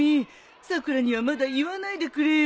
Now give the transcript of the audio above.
さくらにはまだ言わないでくれよ。